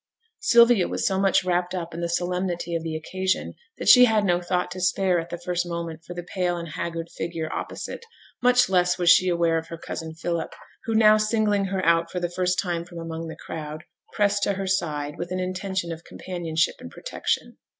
Sylvia was so much wrapt up in the solemnity of the occasion, that she had no thought to spare at the first moment for the pale and haggard figure opposite; much less was she aware of her cousin Philip, who now singling her out for the first time from among the crowd, pressed to her side, with an intention of companionship and protection.